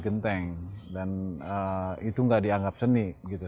gak ada di genteng dan itu nggak dianggap seni